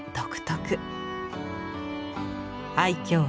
愛きょう